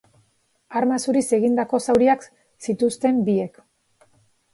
Arma zuriz egindako zauriak zituzten biek.